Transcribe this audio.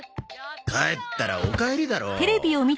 帰ったら「おかえり」だろ。